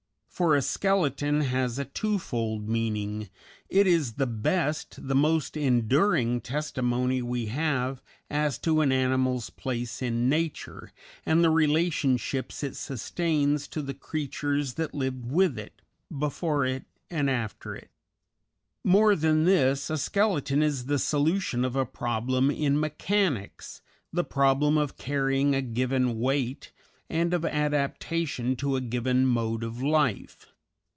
For a skeleton has a twofold meaning, it is the best, the most enduring, testimony we have as to an animal's place in nature and the relationships it sustains to the creatures that lived with it, before it, and after it. More than this, a skeleton is the solution of a problem in mechanics, the problem of carrying a given weight and of adaptation to a given mode of life.